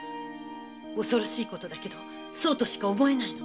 恐ろしいことだけどそうとしか思えないの。